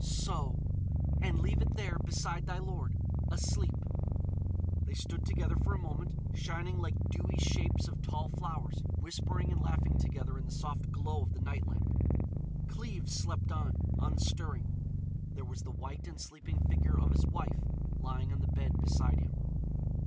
So! And leave it there beside thy lord, asleep." They stood together for a moment, shining like dewy shapes of tall flowers, whispering and laughing together in the soft glow of the night lamp. Cleves slept on, unstirring. There was the white and sleeping figure of his wife lying on the bed beside him.